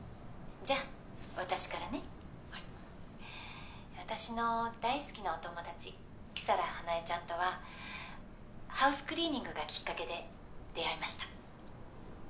じゃあ私からねはい私の大好きなお友達木皿花枝ちゃんとはハウスクリーニングがきっかけで出会いました